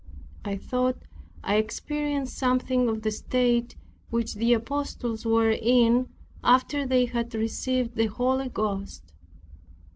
I thought I experienced something of the state which the apostles were in, after they had received the Holy Ghost.